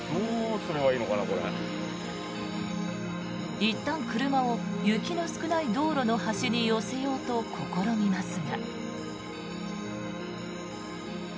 いったん車を雪の少ない道路の端に寄せようと試みますが。